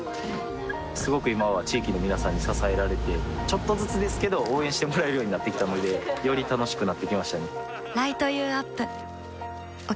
すごく今は地域の皆さんに支えられてちょっとずつですけど応援してもらえるようになってきたのでより楽しくなってきましたね